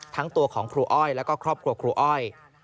ทั้งตัวของครูอ้อยแล้วก็ครอบครัวครูอ้อย